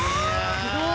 すごい。